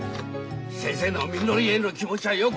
先生のみのりへの気持ちはよく分かった。